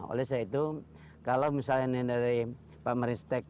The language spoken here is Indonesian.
oleh sebab itu kalau misalnya dari pak meristek